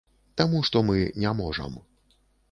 Таму што мы не можам.